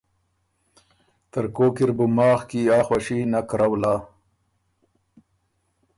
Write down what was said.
ترکوک اِر بُو ماخ کی ا خوشي نک رؤلا